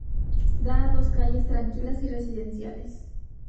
Da a dos calles tranquilas y residenciales.